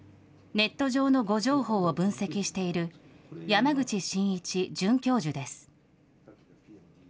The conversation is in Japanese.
ネット上の誤情報を分析している、山口真一准教授です。